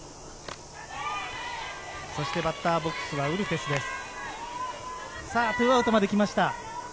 バッターボックスはウルテスです。